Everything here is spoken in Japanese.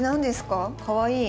かわいい。